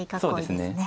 そうですね。